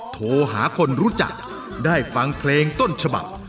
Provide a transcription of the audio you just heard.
โทรหาคนรู้จักได้ฟังเพลงต้นฉบับ